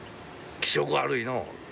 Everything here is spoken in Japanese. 気色悪いのう！